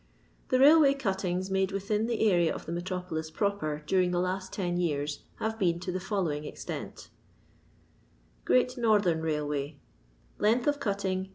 The Bailway Cuttings made within the area of the Metropolis Proper during the last ten years have been to the following extent :^ Length of Cutting.